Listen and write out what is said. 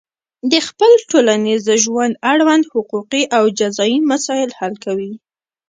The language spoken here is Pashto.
د خپل ټولنیز ژوند اړوند حقوقي او جزایي مسایل حل کوي.